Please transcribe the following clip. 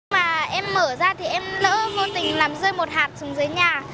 mà em mở ra thì em lỡ vô tình làm rơi một hạt xuống dưới nhà